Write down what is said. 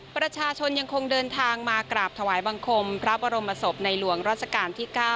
ประชาชนยังคงเดินทางมากราบถวายบังคมพระบรมศพในหลวงราชการที่๙